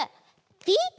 ピッ！